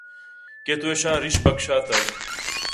کہ تو ایشاں رِیش بخشاتگ